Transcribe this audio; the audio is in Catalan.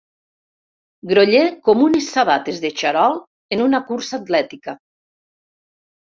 Groller com unes sabates de xarol en una cursa atlètica.